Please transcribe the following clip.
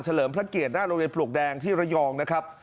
เลิมพระเกียรติหน้าโรงเรียนปลวกแดงที่ระยองนะครับ